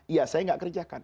ya saya nggak kerjakan